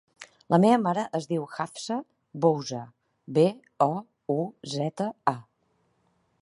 La meva mare es diu Hafsa Bouza: be, o, u, zeta, a.